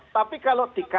tapi kalau dikatakan